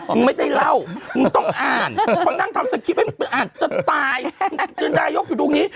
มึงไม่ได้เล่ามึงต้องอ่านเขานั่งทำไอ้มึงอ่านจะตายนายกอยู่ตรงนี้